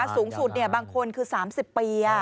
สูงสุดบางคนคือ๓๐ปี